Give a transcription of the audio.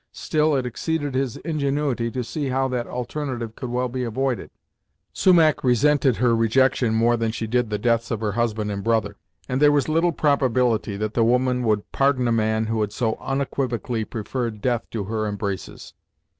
Still it exceeded his ingenuity to see how that alternative could well be avoided. Sumach resented her rejection more than she did the deaths of her husband and brother, and there was little probability that the woman would pardon a man who had so unequivocally preferred death to her embraces.